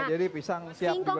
jadi pisang siap dua di lap